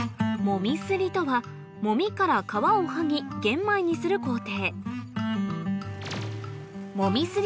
籾すりとは籾から皮を剥ぎ玄米にする工程